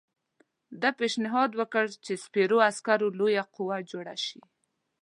ده پېشنهاد وکړ چې سپرو عسکرو لویه قوه جوړه شي.